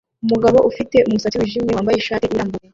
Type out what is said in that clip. Umugabo ufite umusatsi wijimye wambaye ishati irambuye